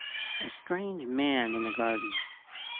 A STRANGE MAN IN THE GARDEN.